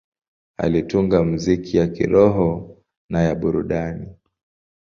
Alitunga muziki ya kiroho na ya burudani.